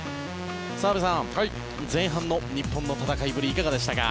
澤部さん、前半の日本の戦いぶりいかがでしたか。